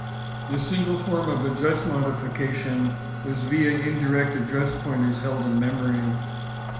The single form of address modification was via indirect address pointers held in memory.